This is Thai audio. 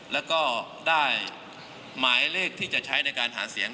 แล้วก็ได้หมายเลขที่จะใช้ในการหาเสียง